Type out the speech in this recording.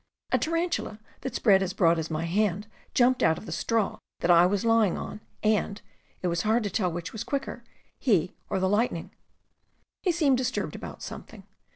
A tarantula that spread as broad as my hand jumped out of the straw that I was lying on and — it was hard to tell which was quicker, he or the lightning. He seemed disturbed about something.